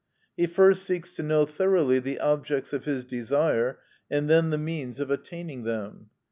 He first seeks to know thoroughly the objects of his desire, and then the means of attaining them.